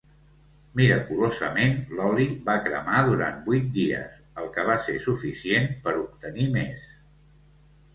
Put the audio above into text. Miraculosament, l'oli va cremar durant vuit dies, el que va ser suficient per obtenir més.